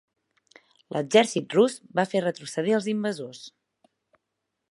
L'exèrcit rus va fer retrocedir als invasors.